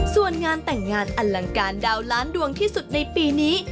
ส่วนงานแต่งงานอลังการดาวล้านดวงที่สุดในปีนี้